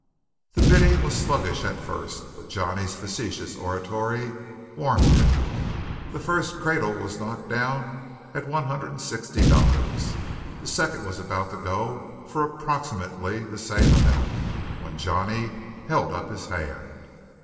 The bidding was sluggish at first, but Johnny's facetious oratory warmed it. The first cradle was knocked down at one hundred and sixty dollars. The second was about to go for approximately the same amount, when Johnny held up his hand.